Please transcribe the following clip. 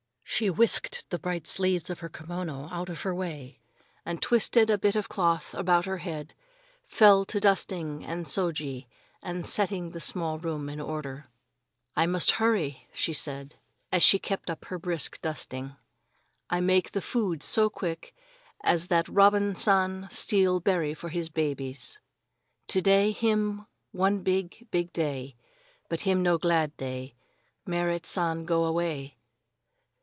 She tied the long sleeves of her bright kimono out of her way, and twisting a bit of cloth about her head, fell to dusting the shoji and setting the small room in order. "I must the hurry," she said, as she kept up her brisk dusting. "I make the food so quick as that Robin San steal berry for his babies. To day him one big, big day, but him no glad day. Merrit San go away."